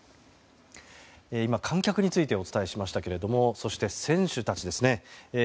今、観客についてお伝えしましたけれどもそして、選手たちですね。